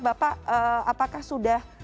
bapak apakah sudah